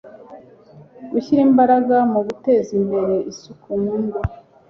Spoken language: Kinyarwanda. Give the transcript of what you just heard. gushyira imbaraga mu guteza imbere isuku mu ngo